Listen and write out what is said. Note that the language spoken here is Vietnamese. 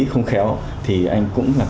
không khéo thì anh cũng là